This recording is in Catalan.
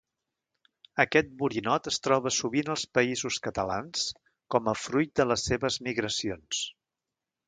Aquest borinot es troba sovint als Països Catalans com a fruit de les seves migracions.